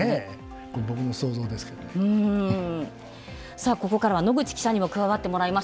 さあここからは野口記者にも加わってもらいます。